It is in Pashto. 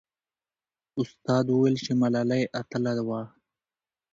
استاد وویل چې ملالۍ اتله وه.